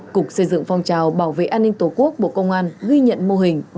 cục xây dựng phong trào bảo vệ an ninh tổ quốc bộ công an ghi nhận mô hình